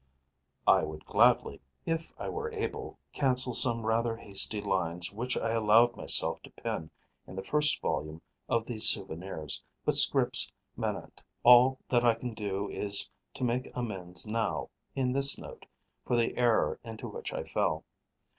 (I would gladly, if I were able, cancel some rather hasty lines which I allowed myself to pen in the first volume of these "Souvenirs" but scripta manent. All that I can do is to make amends now, in this note, for the error into which I fell.